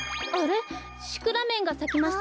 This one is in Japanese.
シクラメンがさきましたね。